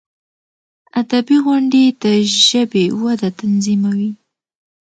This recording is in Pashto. ادبي غونډي د ژبي وده تضمینوي.